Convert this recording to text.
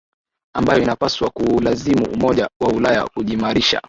ambayo inapaswa kuulazimu Umoja wa Ulaya kujiimarisha